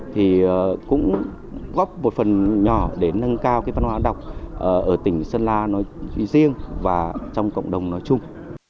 thì cũng góp một phần nhỏ để nâng cao cái văn hóa đọc ở tỉnh sơn la nói riêng và trong cộng đồng nói chung